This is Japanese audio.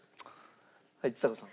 はいちさ子さん。